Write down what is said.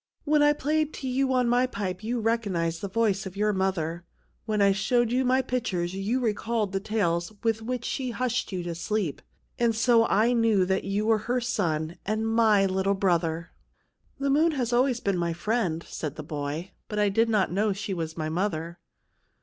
When I played to you on my pipe you recognised the voice of your mother. When I showed you my pictures you recalled the tales with which she hushed you to sleep. And so I knew that you were her son and my little brother." " The moon has always been my friend," said the boy ;" but I did not know that she was my mother."